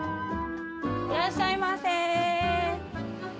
いらっしゃいませー。